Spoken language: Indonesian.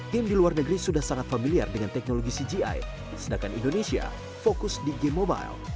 game di luar negeri sudah sangat familiar dengan teknologi cgi sedangkan indonesia fokus di game mobile